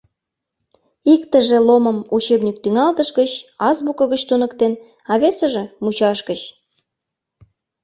Иктыже Ломым учебник тӱҥалтыш гыч, азбуко гыч туныктен, а весыже — мучаш гыч.